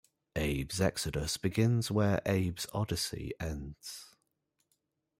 "Abe's Exoddus" begins where "Abe's Oddysee" ends.